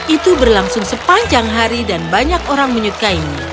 itu berlangsung sepanjang hari dan banyak orang menyukainya